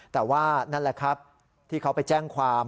แต่ว่านั่นแหละครับที่เขาไปแจ้งความ